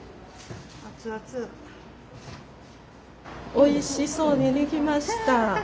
おいしそうに出来ました。